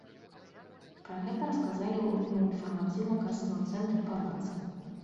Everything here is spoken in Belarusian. Пра гэта расказалі ў інфармацыйна-касавым цэнтры палаца.